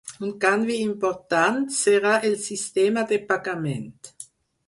Un canvi important serà el sistema de pagament.